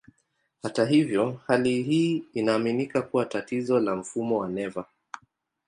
Hata hivyo, hali hii inaaminika kuwa tatizo la mfumo wa neva.